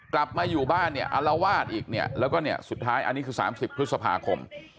กลับมาอยู่บ้านเนี่ยอารวาสอีกเนี่ยแล้วก็เนี่ยสุดท้ายอันนี้คือ๓๐พฤษภาคม